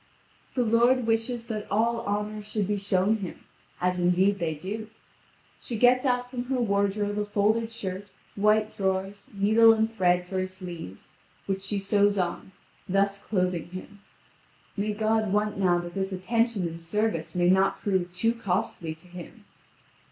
The lord wishes that all honour should be shown him, as indeed they do. She gets out from her wardrobe a folded shirt, white drawers, needle and thread for his sleeves, which she sews on, thus clothing him. May God want now that this attention and service may not prove too costly to him!